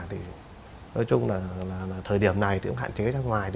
thì nói chung là thời điểm này thì cũng hạn chế ra ngoài